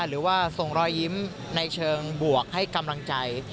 หรือว่าส่งรอยยิ้มในเชิงบวกให้กำลังใจ